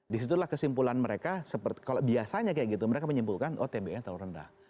di situlah kesimpulan mereka kalau biasanya kayak gitu mereka menyimpulkan oh tbi nya terlalu rendah